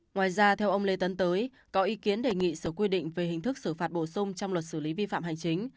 ngoài ra theo ông lê tấn tới có ý kiến đề nghị sửa quy định về hình thức xử phạt bổ sung trong luật xử lý vi phạm hành chính